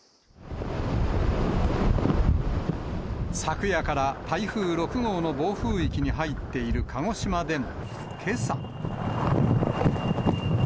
昨夜から台風６号の暴風域に入っている鹿児島でもけさ。